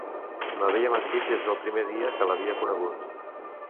M'havia mentit des del primer dia que l'havia conegut.